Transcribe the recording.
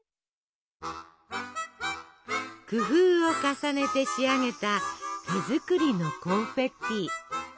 工夫を重ねて仕上げた手作りのコンフェッティ。